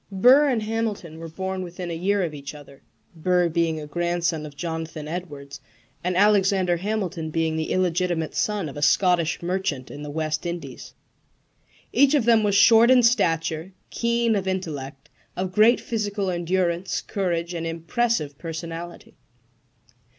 Burr and Hamilton were born within a year of each other Burr being a grandson of Jonathan Edwards, and Alexander Hamilton being the illegitimate son of a Scottish merchant in the West Indies. Each of them was short in stature, keen of intellect, of great physical endurance, courage, and impressive personality.